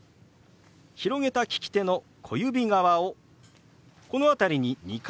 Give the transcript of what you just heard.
広げた利き手の小指側をこの辺りに２回当てます。